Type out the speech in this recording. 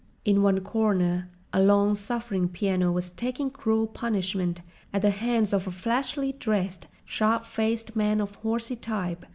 In one corner a long suffering piano was taking cruel punishment at the hands of a flashily dressed, sharp faced man of horsey type.